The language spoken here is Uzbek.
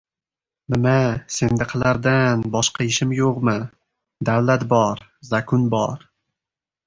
— Nima, sendaqalardan boshqa ishim yo‘qmi?! Davlat bor, zakun bor!